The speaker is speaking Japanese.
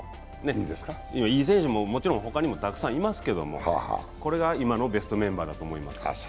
いい選手ももちろん他にもたくさんいますけれども、これが今のベストメンバーだと思います。